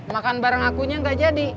makan barang akunya gak jadi